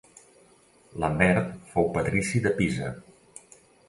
Lambert fou patrici de Pisa.